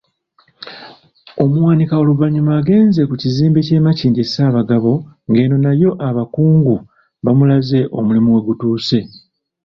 Omuwanika oluvannyuma agenze ku kizimbe ky'e Makindye Ssaabagabo ng'eno nayo abakugu bamulaze omulimu we gutuuse.